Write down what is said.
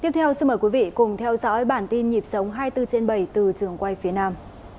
tiếp theo xin mời quý vị cùng theo dõi bản tin nhịp sống hai mươi bốn trên bảy từ trường quay phía nam